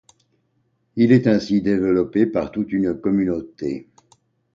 Il est ainsi développé par toute une communauté.